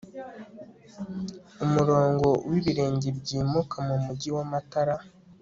Umurongo wibirenge byimuka mumujyi wamatara